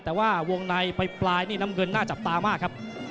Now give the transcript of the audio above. แต่ว่าวงในไปปลายนี่น้ำเงินน่าจับตามากครับ